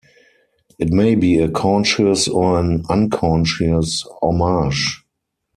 It may be a conscious or an unconscious homage.